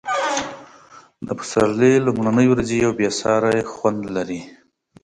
د پسرلي لومړنۍ ورځې یو بې ساری خوند لري.